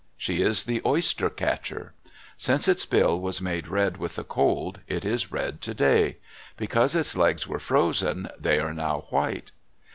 She is the Oyster Catcher. Since its bill was made red with the cold, it is red today. Because its legs were frozen, they are now white.